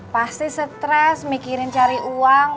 pasti stres mikirin cari uang